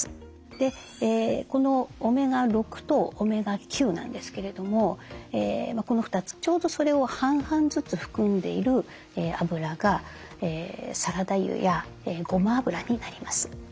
でこのオメガ６とオメガ９なんですけれどもこの２つちょうどそれを半々ずつ含んでいるあぶらがサラダ油やごま油になります。